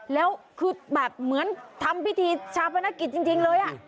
แล้วคือแบบเหมือนทำพิธีชาปนกิจจริงเลย